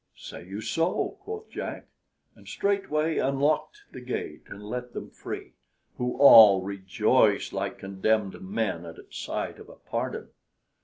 "Say you so," quoth Jack, and straightway unlocked the gate and let them free, who all rejoiced like condemned men at sight of a pardon.